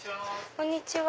こんにちは。